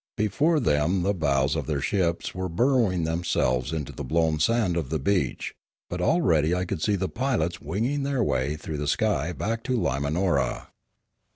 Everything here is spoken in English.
Before them the bows of their ships were burrowing themselves in the .blown sand of the beach; but already I could see the pilots winging their way through the sky back to Limanora.